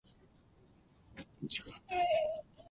エラー何回目ですか